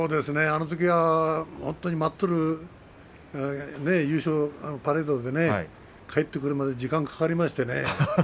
あのときは本当に待っている優勝パレードで帰ってくるまで時間がかかりましたね。